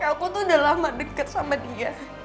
aku tuh udah lama deket sama dia